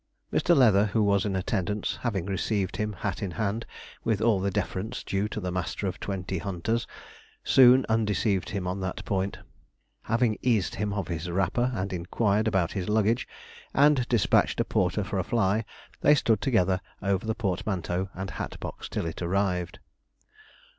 Mr. Leather, who was in attendance, having received him hat in hand, with all the deference due to the master of twenty hunters, soon undeceived him on that point. Having eased him of his wrapper, and inquired about his luggage, and despatched a porter for a fly, they stood together over the portmanteau and hat box till it arrived.